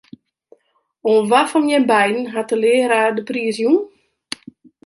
Oan wa fan jim beiden hat de learaar de priis jûn?